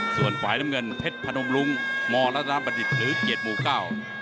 ส่วนฝ่ายน้ำเงินเพชรพนมรุ้งมรัฐนาบัณฑิตหรือเกียรติหมู่เก้า